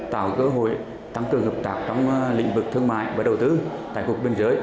tạo cơ hội tăng cường hợp tác trong lĩnh vực thương mại và đầu tư tại cuộc biên giới